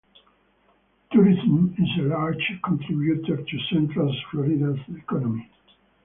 Tourism is a large contributor to Central Florida's economy.